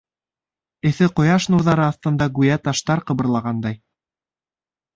Эҫе ҡояш нурҙары аҫтында гүйә таштар ҡыбырлағандай.